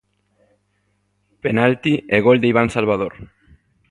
Penalti e gol de Ibán Salvador.